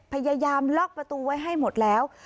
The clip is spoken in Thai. พยายามล็อกประตูไว้ให้หมดแล้ว